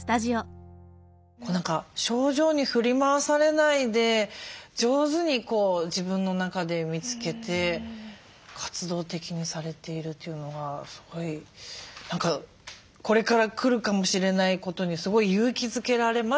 何か症状に振り回されないで上手に自分の中で見つけて活動的にされているというのがすごい何かこれから来るかもしれないことにすごい勇気づけられますね。